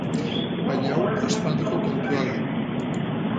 Baina hau aspaldiko kontua da.